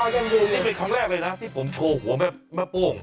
นี่เป็นครั้งแรกเลยนะที่ผมโชว์หัวแม่ป้วง